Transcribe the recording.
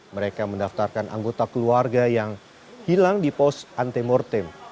mereka mendaftarkan anggota keluarga yang hilang di pos antemortem